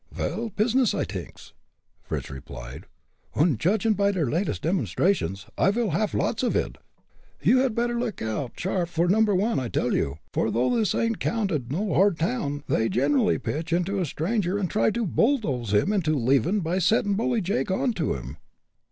"Vel, pizness, I dinks," Fritz replied, "und judgin' py der latest demonstrations, I vil haff lots off id." "You had better look out sharp for Number One, I tell you, for though this ain't counted no hard town, they ginerally pitch onto a stranger and try to bulldoze him into leavin' by settin' Bully Jake onto him."